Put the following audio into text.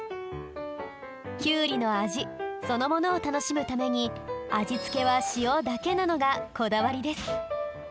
きゅうりのあじそのものをたのしむためにあじつけはしおだけなのがこだわりです